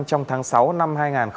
trong tháng sáu năm hai nghìn hai mươi